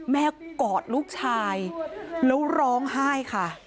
กอดลูกชายแล้วร้องไห้ค่ะ